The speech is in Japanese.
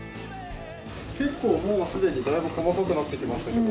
結構もうすでにだいぶ細かくなってきましたけど。